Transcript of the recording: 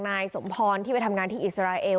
นายสมพรที่ไปทำงานที่อิสราเอล